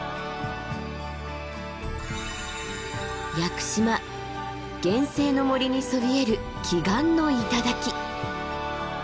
屋久島原生の森にそびえる奇岩の頂。